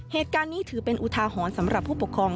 เหตุการณ์นี้ถือเป็นอุทาหรณ์สำหรับผู้ปกครอง